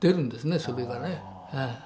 それがね。